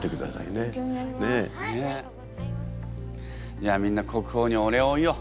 じゃあみんな国宝にお礼を言おう。